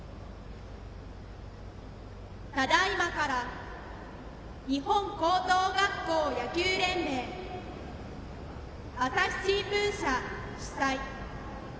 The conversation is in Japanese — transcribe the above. ただいまから日本高等学校野球連盟朝日新聞社主催